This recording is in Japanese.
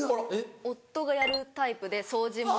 夫がやるタイプで掃除も。